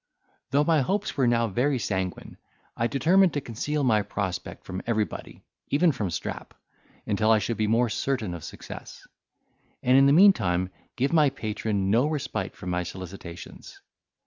Though my hopes were now very sanguine, I determined to conceal my prospect from everybody, even from Strap, until I should be more certain of success: and in the meantime give my patron no respite from my solicitations.